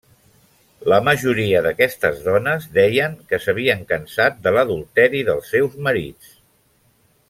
La majoria d'aquestes dones deien que s'havien cansat de l'adulteri dels seus marits.